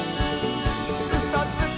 「うそつき！」